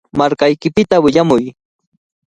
Markaykipita willamuy.